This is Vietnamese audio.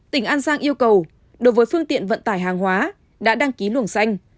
tỉnh an giang yêu cầu đối với phương tiện vận tải hàng hóa đã đăng ký luồng xanh